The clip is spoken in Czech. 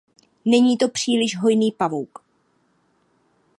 Není to příliš hojný pavouk.